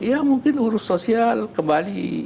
ya mungkin urus sosial kembali